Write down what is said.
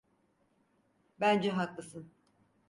Bence haklısın.